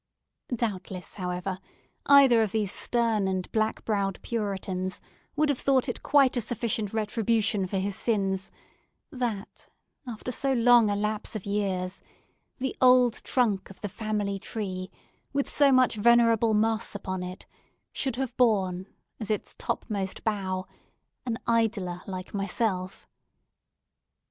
Doubtless, however, either of these stern and black browed Puritans would have thought it quite a sufficient retribution for his sins that, after so long a lapse of years, the old trunk of the family tree, with so much venerable moss upon it, should have borne, as its topmost bough, an idler like myself.